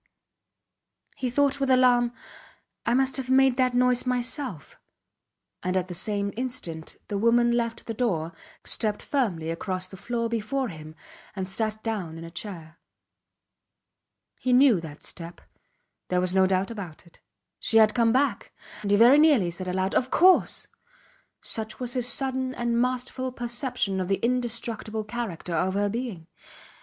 He thought with alarm: I must have made that noise myself; and at the same instant the woman left the door, stepped firmly across the floor before him, and sat down in a chair. He knew that step. There was no doubt about it. She had come back! And he very nearly said aloud Of course! such was his sudden and masterful perception of the indestructible character of her being.